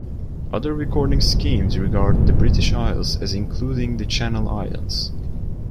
Other recording schemes regard the "British Isles" as including the Channel Islands.